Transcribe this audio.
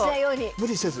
無理せず。